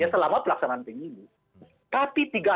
selama pelaksanaan penghitungan